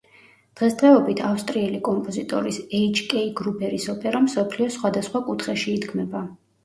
დღეს დღეობით ავსტრიელი კომპოზიტორის, ეიჩ კეი გრუბერის ოპერა მსოფლიოს სხვადასხვა კუთხეში იდგმება.